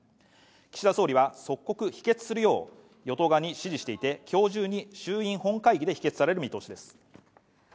岸田総理は即刻否決するよう与党側に指示していて、今日中に衆院本会議で否決される見通しです。